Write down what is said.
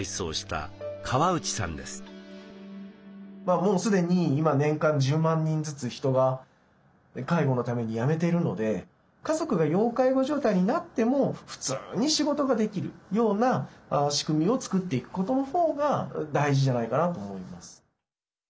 もう既に年間１０万人ずつ人が介護のために辞めているので家族が要介護状態になっても普通に仕事ができるような仕組みを作っていくことのほうが大事じゃないかなと思います。